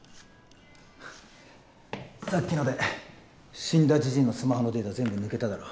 ははっさっきので死んだじじいのスマホのデータ全部抜けただろ。